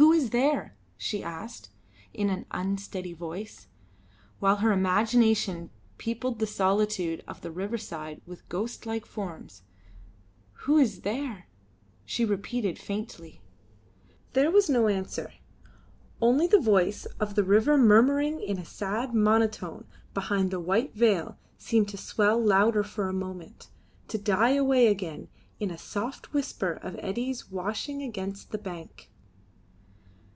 "Who is there?" she asked, in an unsteady voice, while her imagination peopled the solitude of the riverside with ghost like forms. "Who is there?" she repeated faintly. There was no answer: only the voice of the river murmuring in sad monotone behind the white veil seemed to swell louder for a moment, to die away again in a soft whisper of eddies washing against the bank.